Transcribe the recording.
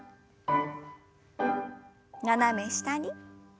斜め下に。